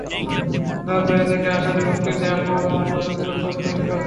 রাজনীতি থেকে আসা বিভক্তির দেয়াল সমাজের মধ্যে অজস্র খোপ তৈরি করছে।